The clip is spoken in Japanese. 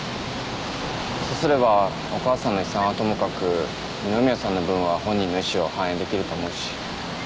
そうすればお母さんの遺産はともかく二ノ宮さんの分は本人の意思を反映できると思うし。